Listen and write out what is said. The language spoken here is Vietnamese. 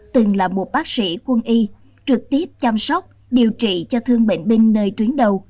từng là một bác sĩ quân y trực tiếp chăm sóc điều trị cho thương bệnh binh nơi tuyến đầu